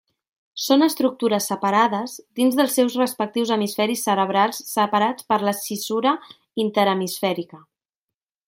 Són estructures separades dins dels seus respectius hemisferis cerebrals separats per la cissura interhemisfèrica.